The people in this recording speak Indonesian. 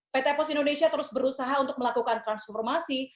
pt pos indonesia terus berusaha untuk melakukan transformasi